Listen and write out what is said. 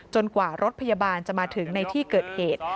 กว่ารถพยาบาลจะมาถึงในที่เกิดเหตุ